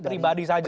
pribadi saja ya